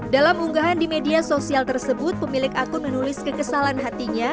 dalam unggahan di media sosial tersebut pemilik akun menulis kekesalan hatinya